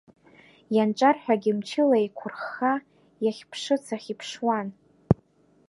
Ианҿарҳәагьы мчыла еиқәырхха, иахьԥшыц ахь иԥшуан.